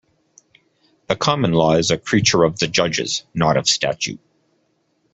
The common law is a creature of the judges, not of statute.